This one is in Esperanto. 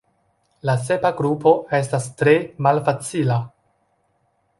La sepa grupo estas tre malfacila.